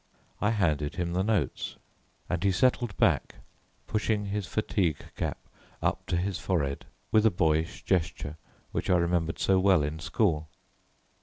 I handed him the notes, and he settled back, pushing his fatigue cap up to his forehead, with a boyish gesture, which I remembered so well in school.